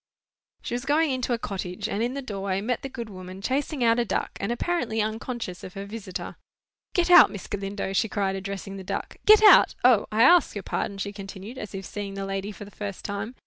She was going into a cottage, and in the doorway met the good woman chasing out a duck, and apparently unconscious of her visitor. "Get out, Miss Galindo!" she cried, addressing the duck. "Get out! O, I ask your pardon," she continued, as if seeing the lady for the first time.